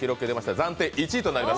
暫定１位となります。